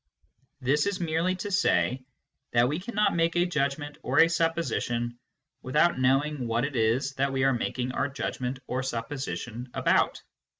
This is merely to say that we cannot make a judgment or a supposition without know ing what it is that we are making our judgment or sup position about.